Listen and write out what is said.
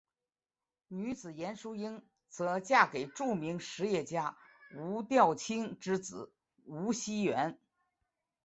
女子严淑英则嫁给著名实业家吴调卿之子吴熙元。